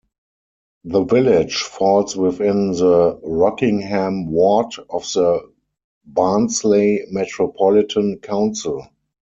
The village falls within the Rockingham Ward of the Barnsley Metropolitan Council.